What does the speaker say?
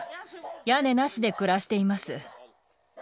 屋根なしで暮らしています。